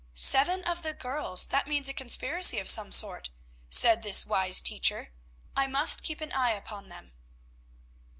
"Seven of the girls! that means a conspiracy of some sort," said this wise teacher. "I must keep an eye upon them."